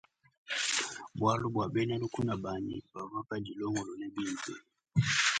Bualu bua bena lukuna banyi bavua badilongolole bimpe.